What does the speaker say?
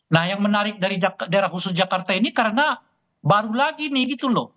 nah yang menarik dari daerah khusus jakarta ini karena baru lagi nih gitu loh